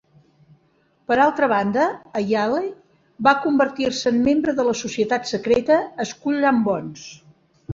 Per altra banda, a Yale va convertir-se en membre de la societat secreta Skull and Bones.